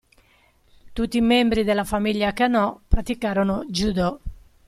Tutti i membri della famiglia Kanō praticarono judo.